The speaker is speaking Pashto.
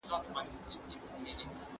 پانګي ټول توليدي عوامل په کار واچول.